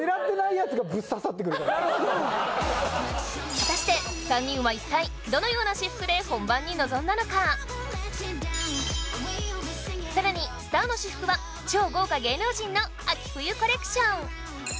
果たして３人は一体どのような私服で本番に臨んだのかさらにスターの私服は超豪華芸能人の秋冬コレクション！